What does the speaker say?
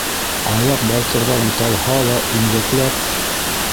Аяҡ балтырҙарым талһа ла, имгәкләп...